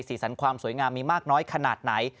สันความสวยงามมีมากน้อยขนาดไหน